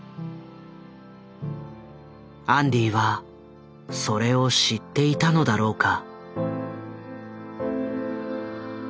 アンディはそれを知っていたのだろうか。